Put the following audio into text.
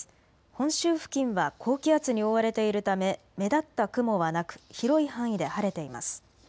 本州付近は高気圧に覆われているため目立った雲はなく広い範囲で晴れています。